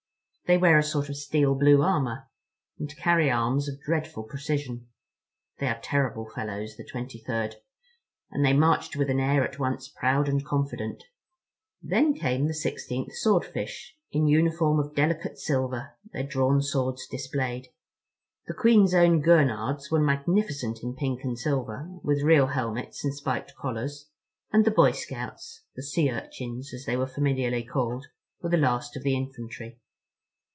They wear a sort of steel blue armor, and carry arms of dreadful precision. They are terrible fellows, the 23rd, and they marched with an air at once proud and confident. Then came the 16th Swordfish—in uniform of delicate silver, their drawn swords displayed. The Queen's Own Gurnards were magnificent in pink and silver, with real helmets and spiked collars; and the Boy Scouts—"The Sea Urchins" as they were familiarly called—were the last of the infantry.